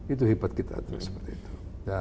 itu hebat kita